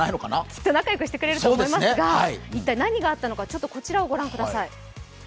きっと仲良くしてくれると思いますが、一体何があったのかちょっとこちらを御覧ください。